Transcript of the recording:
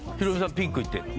ピンクいってんの？